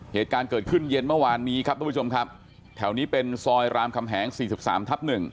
เหตุการณ์เกิดขึ้นเย็นเมื่อวานนี้ครับทุกผู้ชมครับแถวนี้เป็นซอยรามคำแหง๔๓ทับ๑